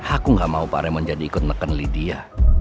aku gak mau pak raymond jadi ikut meken lydia